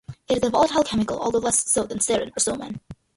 It is a volatile chemical, although less so than either sarin or soman.